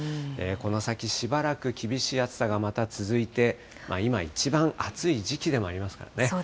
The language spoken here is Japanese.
この先、しばらく厳しい暑さがまた続いて、今一番、暑い時期でもありますからね。